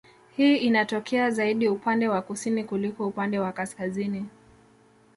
Hii inatokea zaidi upande wa kusini kuliko upande wa kaskazini